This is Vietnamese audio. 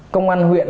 công an huyện